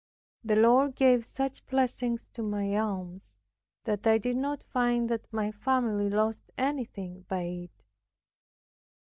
The Lord gave such blessings to my alms, that I did not find that my family lost anything by it.